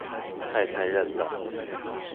太殘忍了